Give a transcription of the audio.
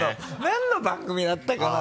何の番組だったかな？